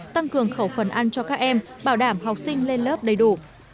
tăng cường khẩu phần ăn cho các em bảo đảm học sinh lên lớp đầy đủ